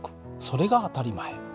それが当たり前。